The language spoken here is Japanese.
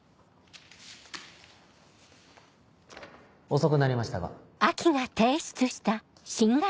遅くなりましたが。